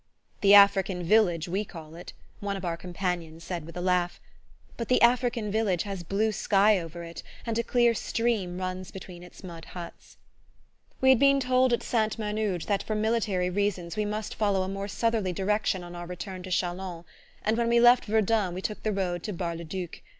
"The African village, we call it," one of our companions said with a laugh: but the African village has blue sky over it, and a clear stream runs between its mud huts. We had been told at Sainte Menehould that, for military reasons, we must follow a more southerly direction on our return to Chalons; and when we left Verdun we took the road to Bar le Duc.